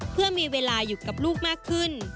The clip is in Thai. เพื่อมีเวลาอยู่กับลูกมากขึ้น